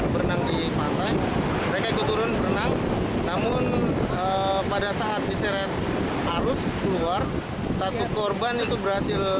berenang di pantai mereka ikut turun berenang namun pada saat diseret arus keluar satu korban itu berhasil